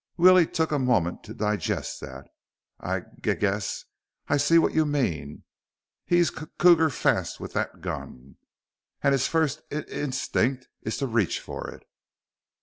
Willie took a moment to digest that. "I g guess I see what you mean. He's c c cougar fast with that gun. And his first in st stinct is to reach for it."